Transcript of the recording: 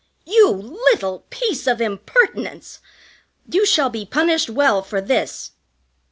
"You little piece of impertinence! You shall be punished well for this."